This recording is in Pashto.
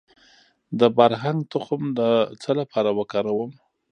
د بارهنګ تخم د څه لپاره وکاروم؟